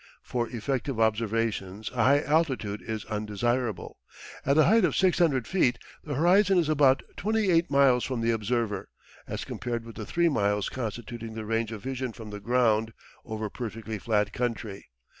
For effective observations a high altitude is undesirable. At a height of 600 feet the horizon is about 28 miles from the observer, as compared with the 3 miles constituting the range of vision from the ground over perfectly flat country.